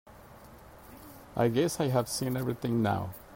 I guess I've seen everything now.